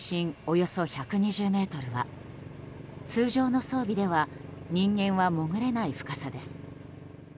およそ１２０ｍは通常の装備では人間は潜れない深さです。